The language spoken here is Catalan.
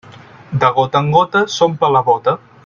De gota en gota s'omple la bóta.